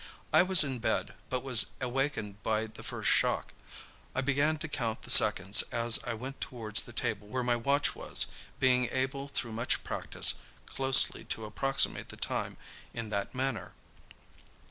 I was in bed, but was awakened by the first shock. I began to count the seconds as I went towards the table where my watch was, being able through much practice closely to approximate the time in that manner.